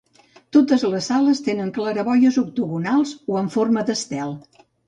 Totes les sales tenen claraboies octogonals o en forma d'estel.